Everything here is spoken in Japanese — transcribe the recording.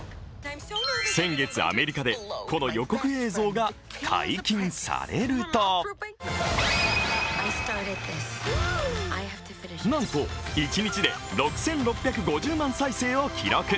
先月アメリカでこの予告映像が解禁されるとなんと一日で６６５０万再生を記録。